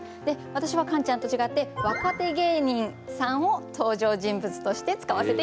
私はカンちゃんと違って若手芸人さんを登場人物として使わせて頂きました。